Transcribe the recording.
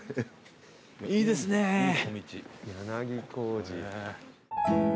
いいですねー。